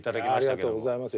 ありがとうございます。